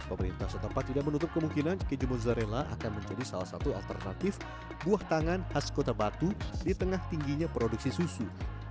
pemerintah setempat tidak menutup kemungkinan keju mozzarella akan menjadi salah satu alternatif buah tangan khas kota batu di tengah tingginya produksi susu